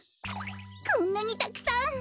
こんなにたくさん！